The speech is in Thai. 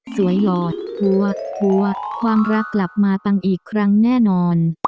หลอดหัวความรักกลับมาปังอีกครั้งแน่นอน